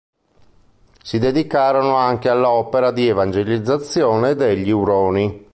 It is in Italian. Si dedicarono anche all'opera di evangelizzazione degli Uroni.